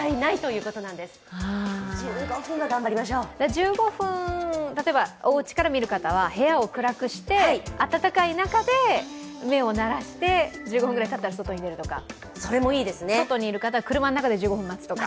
１５分、例えばおうちから見る方は部屋を暗くして暖かい中で目を慣らして１５分ぐらいたったら外に出るとか、外にいる方は車の中で１５分待つとか。